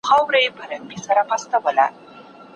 ما په موټر کي يو کتاب ختم کړ.